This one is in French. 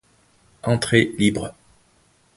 Entrée libre.